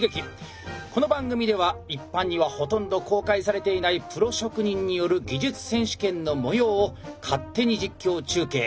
この番組では一般にはほとんど公開されていないプロ職人による技術選手権の模様を勝手に実況中継。